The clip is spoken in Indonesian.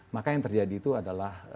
maka yang terjadi itu adalah